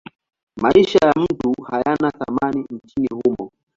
Maisha ya mtu hayana thamani nchini humo.